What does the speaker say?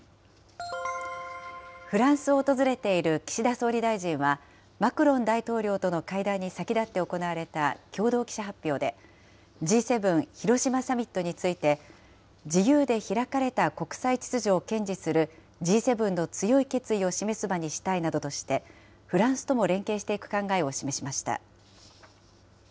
フランスを訪れている岸田総理大臣は、マクロン大統領との会談に先立って行われた共同記者発表で、Ｇ７広島サミットについて、自由で開かれた国際秩序を堅持するＧ７の強い決意を示す場にしたいなどとして、フランスとも連携していく姿勢を示しました。